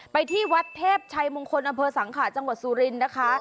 ไปที่วัดเทพชัยมงคลอำเภอสังขาจังหวัดสุรินทร์นะคะ